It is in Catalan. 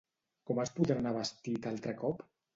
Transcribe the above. Com es podrà anar vestit altre cop?